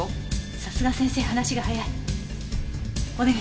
さすが先生話が早い。